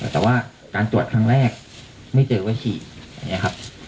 แต่ว่าการตรวจทางแรกไม่เจอวิทยานะครับ